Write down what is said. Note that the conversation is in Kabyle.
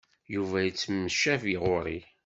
Yuba yettemcabi ɣur-i.